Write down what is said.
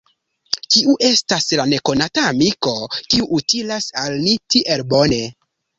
Kiu estas la nekonata amiko, kiu utilas al ni tiel bone?